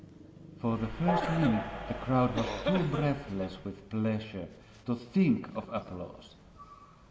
For the first minute the crowd was too breathless with pleasure to think of applause.